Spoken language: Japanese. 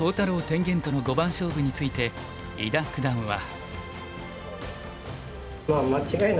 天元との五番勝負について伊田九段は。